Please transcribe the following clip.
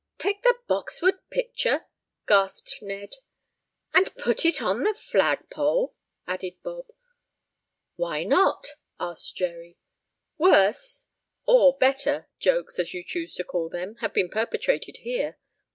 "Take the Boxwood picture?" gasped Ned. "And put it on the flagpole?" added Bob. "Why not?" asked Jerry. "Worse, or better, jokes, as you choose to call them, have been perpetrated here.